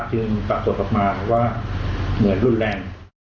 ปรากฏออกมาว่าเหมือนรุนแรง